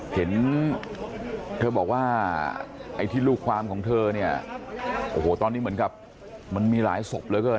เห็นเธอบอกว่าไอ้ที่ลูกความของเธอเนี่ยโอ้โหตอนนี้เหมือนกับมันมีหลายศพเหลือเกิน